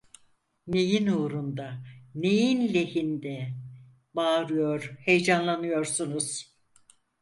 Neyin uğrunda, neyin lehinde bağırıyor, heyecanlanıyorsunuz?